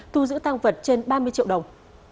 tu giữ tang vật trên ba mươi triệu đồng